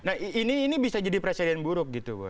nah ini bisa jadi presiden buruk gitu bu